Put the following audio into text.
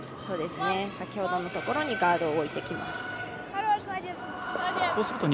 先ほどのところにガードを置きました。